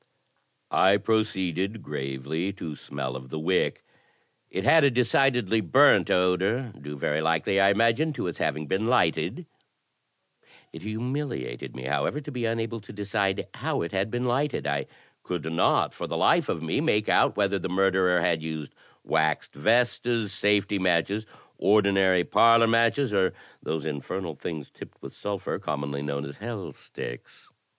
I proceeded gravely to smell of the wick. It had a decidedly burnt odour, due very likely, I imagined, to its having been lighted. It humiliated me, however, to be unable to decide how it had been lighted. I could not for the life of me make out whether the mur derer had used wax vestas, safety matches, ordinary parlour matches, or those infernal things tipped with sulphur commonly known as "hell sticks."